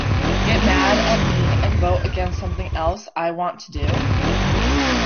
Get mad at me and vote against something else I want to do?